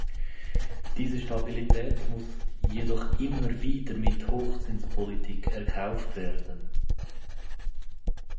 Diese Stabilität muss jedoch immer wieder mit Hochzinspolitik erkauft werden.